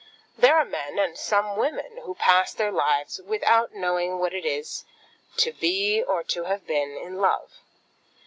There are many men, and some women, who pass their lives without knowing what it is to be or to have been in love.